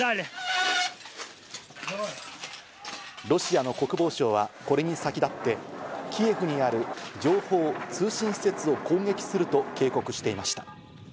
ロシアの国防省はこれに先立って、キエフある情報・通信施設を攻撃すると警告していました。